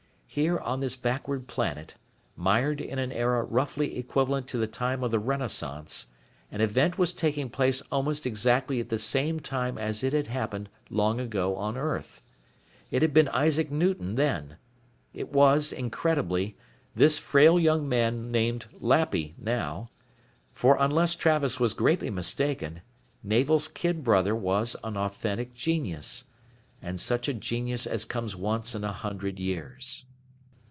Here on this backward planet, mired in an era roughly equivalent to the time of the Renaissance, an event was taking place almost exactly at the same time as it had happened, long ago, on Earth. It had been Isaac Newton, then. It was, incredibly, this frail young man named Lappy now. For unless Travis was greatly mistaken, Navel's kid brother was an authentic genius. And such a genius as comes once in a hundred years.